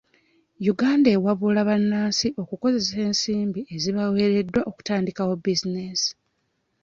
Uganda ewabula bannansi okukozesa ensimbi ezibaweeredda okutandikawo bizinensi